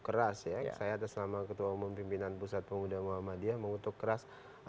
keras ya saya atas nama ketua umum pimpinan pusat pemuda muhammadiyah mengutuk keras